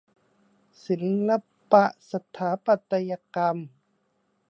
ศิลปะสถาปัตยกรรม